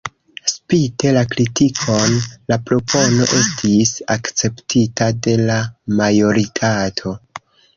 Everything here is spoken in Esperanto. Spite la kritikon, la propono estis akceptita de la majoritato.